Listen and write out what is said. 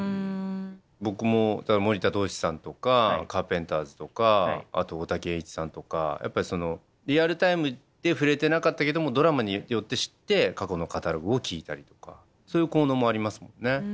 僕も森田童子さんとかカーペンターズとかあと大滝詠一さんとかやっぱりそのリアルタイムで触れてなかったけどもドラマによって知って過去のカタログを聴いたりとかそういう効能もありますもんね。